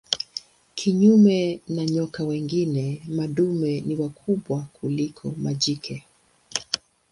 Kinyume na nyoka wengine madume ni wakubwa kuliko majike.